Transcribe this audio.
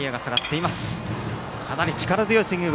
かなり力強いスイング。